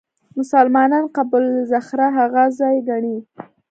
مسلمانان قبه الصخره هغه ځای ګڼي.